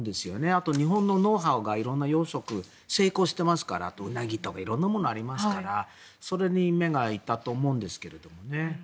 あと、日本のノウハウが色んな養殖で成功していますからウナギとか色んなものがありますからそれに目が行ったと思うんですけどね。